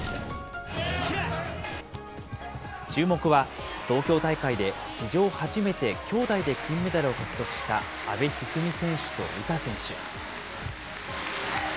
注目は東京大会で史上初めてきょうだいで金メダルを獲得した阿部一二三選手と詩選手。